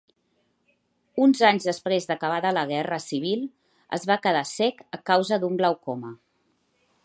Uns anys després d'acabada la guerra civil es va quedar cec a causa d'un glaucoma.